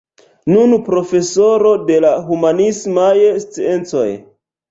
Nun profesoro de la humanismaj sciencoj.